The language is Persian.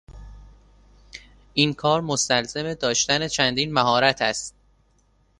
این کار مستلزم داشتن چندین مهارت است.